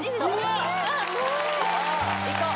いこう